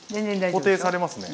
固定されますね。